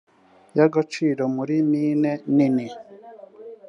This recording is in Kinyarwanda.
y agaciro muri mine nini